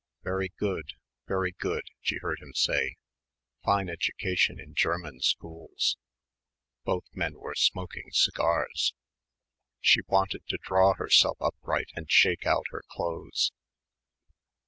"Very good, very good," she heard him say, "fine education in German schools." Both men were smoking cigars. She wanted to draw herself upright and shake out her clothes.